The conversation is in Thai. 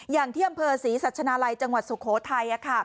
อย่างที่อำเภอศรีสัชนาลัยจังหวัดสุโขทัย